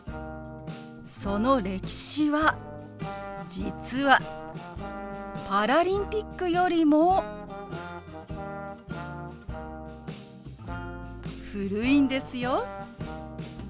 その歴史は実はパラリンピックよりも古いんですよ。